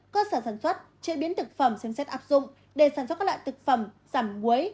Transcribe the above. cơ sở sản xuất chế biến thực phẩm xem xét áp dụng để sản xuất các loại thực phẩm giảm muối